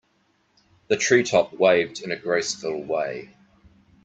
The tree top waved in a graceful way.